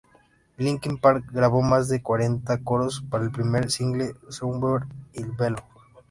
Linkin Park grabó más de cuarenta coros para el primer single Somewhere I Belong.